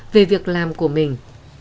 về việc làm của mình